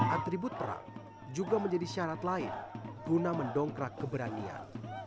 atribut perang juga menjadi syarat lain guna mendongkrak keberanian